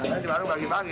tapi di warung bagi bagi